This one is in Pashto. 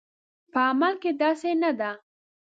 په عمل کې داسې نه ده